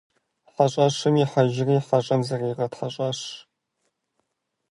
ХьэщӀэщым ихьэжри хьэщӀэм зыригъэтхьэщӀащ.